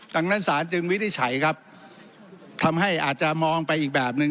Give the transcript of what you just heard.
ดังนั้นศาลจึงวินิจฉัยครับทำให้อาจจะมองไปอีกแบบหนึ่ง